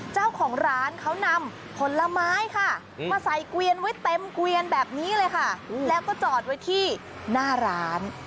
เจ้าของร้านเขานำผลไม้ค่ะมาใส่เกวียนไว้เต็มเกวียนแบบนี้เลยค่ะแล้วก็จอดไว้ที่หน้าร้าน